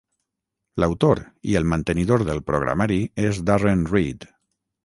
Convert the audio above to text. L'autor i el mantenidor del programari és Darren Reed.